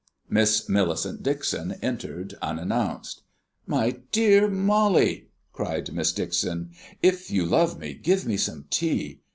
Miss Millicent Dixon entered unannounced. "My Dear Molly," cried Miss Dixon, "if you love me, give me some tea.